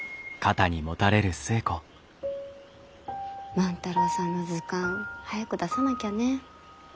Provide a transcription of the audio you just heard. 万太郎さんの図鑑早く出さなきゃね。